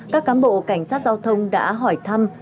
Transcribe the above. các cán bộ cảnh sát giao thông đã hỏi thăm